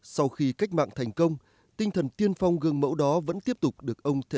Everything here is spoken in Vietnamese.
sau khi cách mạng thành công tinh thần tiên phong gương mẫu đó vẫn tiếp tục được ông thêm